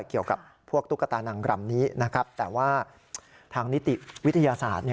เกี่ยวกับพวกตุ๊กตานางรำนี้นะครับแต่ว่าทางนิติวิทยาศาสตร์